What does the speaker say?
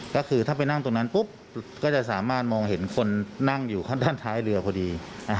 ก็คือถ้าไปนั่งตรงนั้นปุ๊บก็จะสามารถมองเห็นคนนั่งอยู่ข้างด้านท้ายเรือพอดี